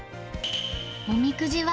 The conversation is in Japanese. おみくじは。